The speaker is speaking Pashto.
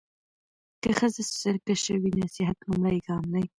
که ښځه سرکشه وي، نصيحت لومړی ګام دی.